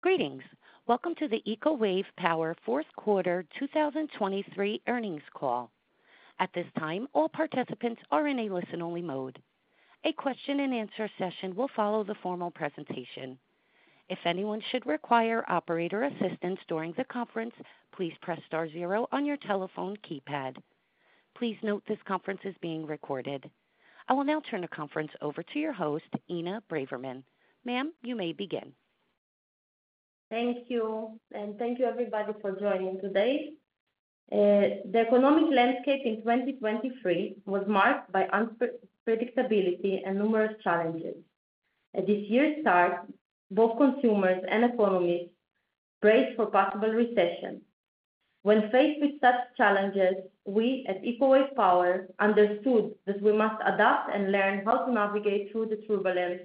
Greetings. Welcome to the Eco Wave Power Fourth Quarter 2023 earnings call. At this time, all participants are in a listen-only mode. A question-and-answer session will follow the formal presentation. If anyone should require operator assistance during the conference, please press star zero on your telephone keypad. Please note, this conference is being recorded. I will now turn the conference over to your host, Inna Braverman. Ma'am, you may begin. Thank you, and thank you everybody for joining today. The economic landscape in 2023 was marked by unpredictability and numerous challenges. At this year's start, both consumers and economists braced for possible recession. When faced with such challenges, we at Eco Wave Power understood that we must adapt and learn how to navigate through the turbulence,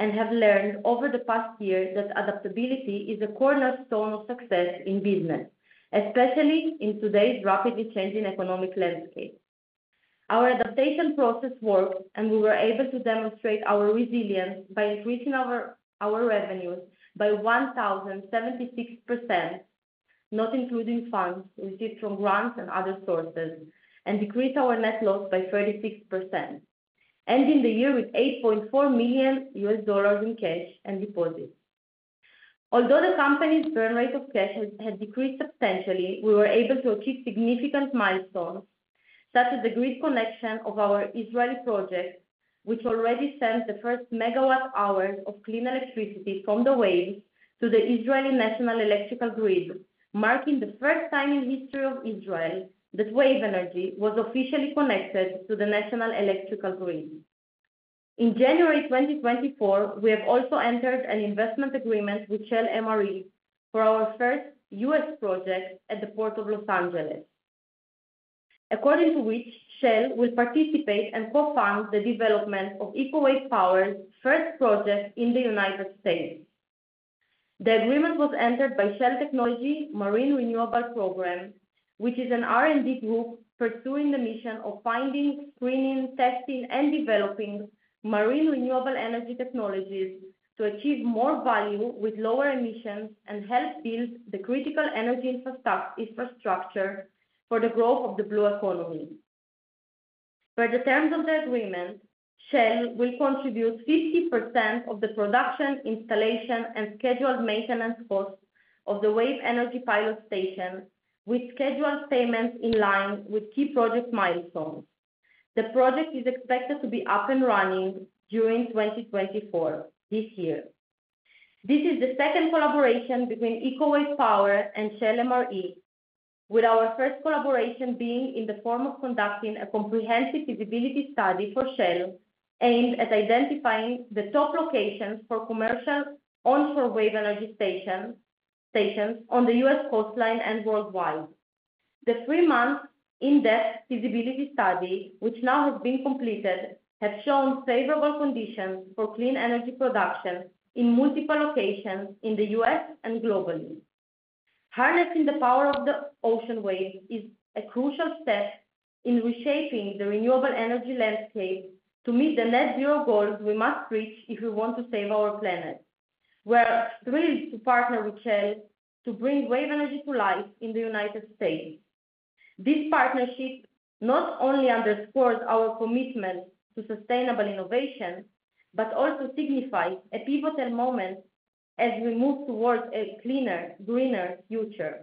and have learned over the past year that adaptability is a cornerstone of success in business, especially in today's rapidly changing economic landscape. Our adaptation process worked, and we were able to demonstrate our resilience by increasing our revenues by 1,076%, not including funds received from grants and other sources, and decreased our net loss by 36%, ending the year with $8.4 million in cash and deposits. Although the company's burn rate of cash has decreased substantially, we were able to achieve significant milestones, such as the grid connection of our Israeli project, which already sends the first megawatt hours of clean electricity from the wave to the Israeli National Electrical Grid. Marking the first time in history of Israel that wave energy was officially connected to the National Electrical Grid. In January 2024, we have also entered an investment agreement with Shell MRE for our first U.S. project at the Port of Los Angeles. According to which, Shell will participate and co-fund the development of Eco Wave Power's first project in the United States. The agreement was entered by Shell Technology Marine Renewable Program, which is an R&D group pursuing the mission of finding, screening, testing, and developing marine renewable energy technologies to achieve more value with lower emissions, and help build the critical energy infrastructure for the growth of the blue economy. Per the terms of the agreement, Shell will contribute 50% of the production, installation, and scheduled maintenance costs of the wave energy pilot station, with scheduled payments in line with key project milestones. The project is expected to be up and running during 2024, this year. This is the second collaboration between Eco Wave Power and Shell MRE, with our first collaboration being in the form of conducting a comprehensive feasibility study for Shell, aimed at identifying the top locations for commercial onshore wave energy stations on the U.S. coastline and worldwide. The three-month in-depth feasibility study, which now has been completed, has shown favorable conditions for clean energy production in multiple locations in the U.S. and globally. Harnessing the power of the ocean waves is a crucial step in reshaping the renewable energy landscape to meet the net zero goals we must reach if we want to save our planet. We're thrilled to partner with Shell to bring wave energy to life in the United States. This partnership not only underscores our commitment to sustainable innovation, but also signifies a pivotal moment as we move towards a cleaner, greener future.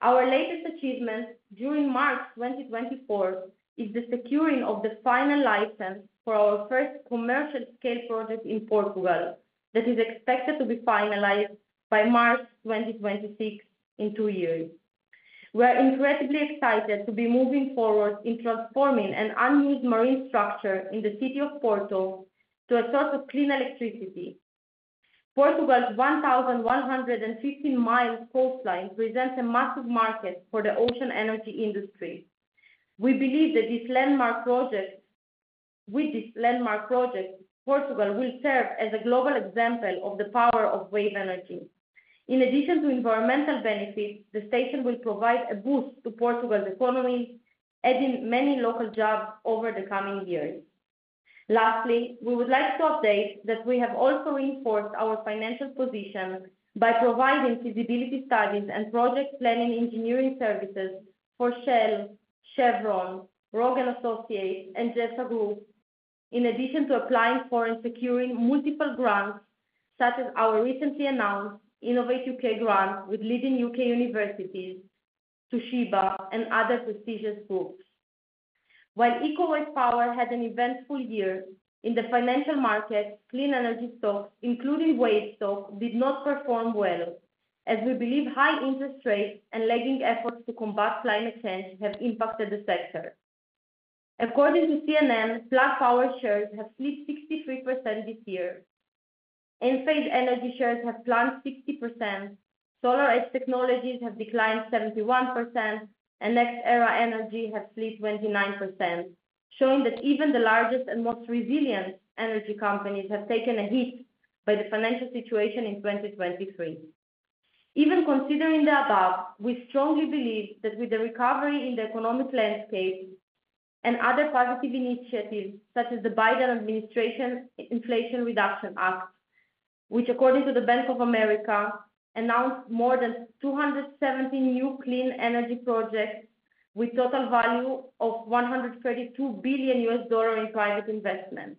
Our latest achievement during March 2024 is the securing of the final license for our first commercial-scale project in Portugal, that is expected to be finalized by March 2026, in two years. We're incredibly excited to be moving forward in transforming an unused marine structure in the city of Porto to a source of clean electricity. Portugal's 1,115 mi coastline presents a massive market for the ocean energy industry. We believe that with this landmark project, Portugal will serve as a global example of the power of wave energy. In addition to environmental benefits, the station will provide a boost to Portugal's economy, adding many local jobs over the coming years. Lastly, we would like to update that we have also reinforced our financial position by providing feasibility studies and project planning engineering services for Shell, Chevron, Rogan Associates, and JESA Group. In addition to applying for and securing multiple grants, such as our recently announced Innovate U.K. grant with leading U.K. universities, Toshiba and other prestigious groups. While Eco Wave Power had an eventful year, in the financial market, clean energy stocks, including WAVE stock, did not perform well, as we believe high interest rates and lagging efforts to combat climate change have impacted the sector. According to CNN, Plug Power shares have slipped 63% this year. Enphase Energy shares have plunged 60%, SolarEdge Technologies have declined 71%, and NextEra Energy has slipped 29%, showing that even the largest and most resilient energy companies have taken a hit by the financial situation in 2023. Even considering the above, we strongly believe that with the recovery in the economic landscape and other positive initiatives, such as the Biden administration Inflation Reduction Act, which according to the Bank of America, announced more than 270 new clean energy projects with total value of $132 billion in private investment.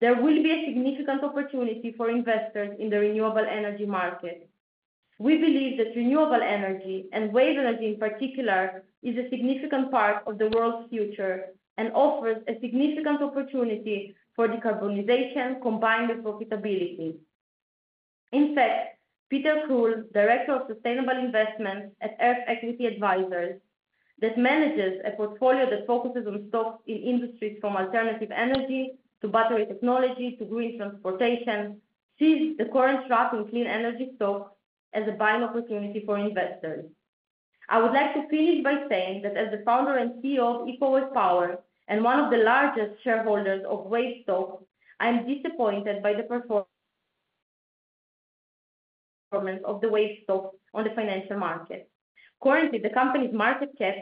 There will be a significant opportunity for investors in the renewable energy market. We believe that renewable energy, and wave energy in particular, is a significant part of the world's future and offers a significant opportunity for decarbonization combined with profitability. In fact, Peter Krull, Director of Sustainable Investing at Earth Equity Advisors, that manages a portfolio that focuses on stocks in industries from alternative energy to battery technology to green transportation, sees the current drop in clean energy stocks as a buying opportunity for investors. I would like to finish by saying that as the founder and CEO of Eco Wave Power and one of the largest shareholders of WAVE stock, I am disappointed by the performance, performance of the WAVE stock on the financial market. Currently, the company's market cap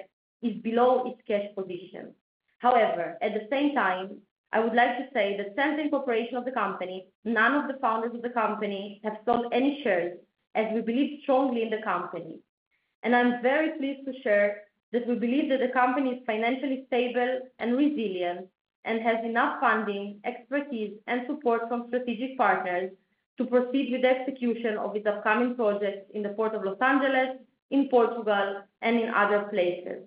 is below its cash position. However, at the same time, I would like to say that since the incorporation of the company, none of the founders of the company have sold any shares, as we believe strongly in the company. I'm very pleased to share that we believe that the company is financially stable and resilient, and has enough funding, expertise, and support from strategic partners to proceed with the execution of its upcoming projects in the Port of Los Angeles, in Portugal, and in other places.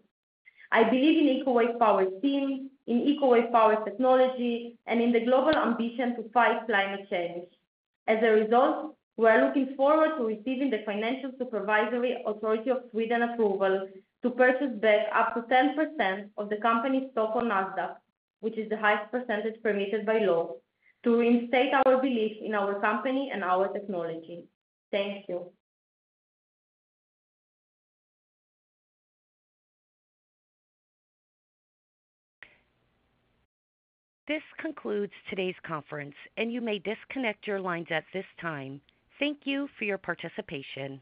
I believe in Eco Wave Power team, in Eco Wave Power technology, and in the global ambition to fight climate change. As a result, we are looking forward to receiving the Financial Supervisory Authority of Sweden approval to purchase back up to 10% of the company's stock on Nasdaq, which is the highest percentage permitted by law, to reinstate our belief in our company and our technology. Thank you. This concludes today's conference, and you may disconnect your lines at this time. Thank you for your participation.